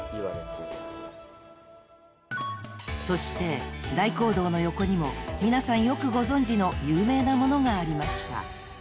［そして大講堂の横にも皆さんよくご存じの有名なものがありました］